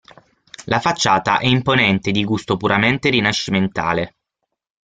La facciata è imponente di gusto puramente rinascimentale.